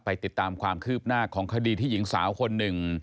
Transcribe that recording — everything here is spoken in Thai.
ติดตามความคืบหน้าของคดีที่หญิงสาวคนหนึ่ง